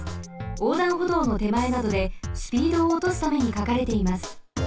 おうだんほどうのてまえなどでスピードをおとすためにかかれています。